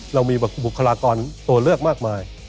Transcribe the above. เรามีบุคลากรตัวเลือกมากมาย